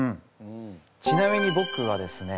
ちなみに僕はですね